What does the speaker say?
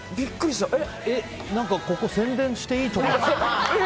ここ宣伝していいところなの？